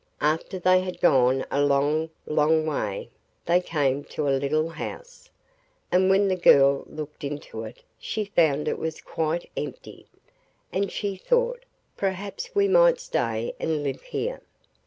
After they had gone a long, long way they came to a little house, and when the girl looked into it she found it was quite empty, and she thought 'perhaps we might stay and live here.